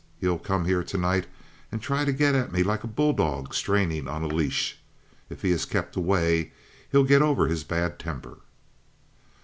He'll come here tonight and try to get at me like a bulldog straining on a leash. If he is kept away he'll get over his bad temper."